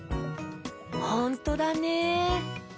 ほんとだね。